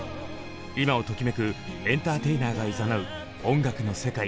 今をときめくエンターテイナーが誘う音楽の世界。